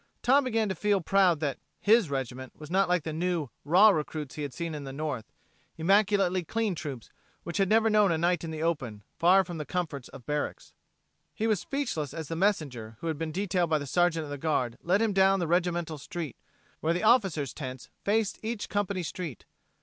Tom began to feel proud that "his" regiment was not like the new, raw troops he had seen in the north immaculately clean troops which had never known a night in the open, far from the comforts of barracks. He was speechless as the messenger who had been detailed by the Sergeant of the Guard led him down the regimental street, where the officers' tents faced each company street.